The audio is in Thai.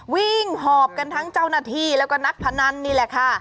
หอบกันทั้งเจ้าหน้าที่แล้วก็นักพนันนี่แหละค่ะ